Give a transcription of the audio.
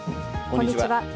こんにちは。